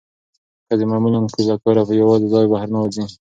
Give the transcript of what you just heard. ښځې معمولا له کوره په یوازې ځان بهر نه وځي.